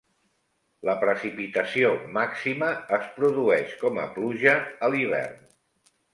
La precipitació màxima es produeix com a pluja a l'hivern.